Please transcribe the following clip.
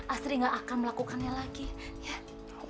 astri gak akan melakukan kejadian